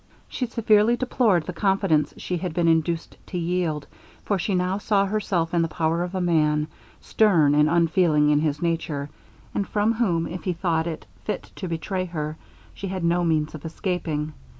She severely deplored the confidence she had been induced to yield; for she now saw herself in the power of a man, stern and unfeeling in his nature: and from whom, if he thought it fit to betray her, she had no means of escaping.